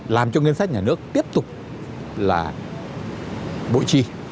làm cho ngân sách nhà nước tiếp tục là bộ trì